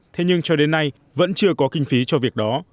thế nhưng cho đến nay vẫn chưa có kinh phí cho việc đó